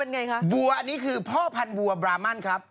ไงคะวัวอันนี้คือพ่อพันธัวบรามั่นครับ